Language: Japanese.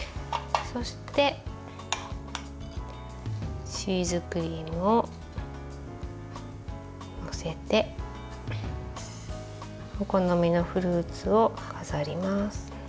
そして、チーズクリームを載せてお好みのフルーツを飾ります。